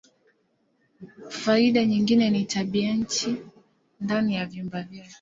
Faida nyingine ni tabianchi ndani ya vyumba vyake.